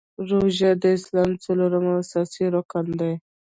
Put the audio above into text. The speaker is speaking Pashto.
روژه د اسلام څلورم او اساسې رکن دی .